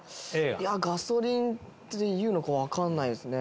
ガソリンっていうのか分かんないですね。